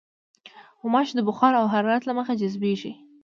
غوماشې د بخار او حرارت له مخې جذبېږي.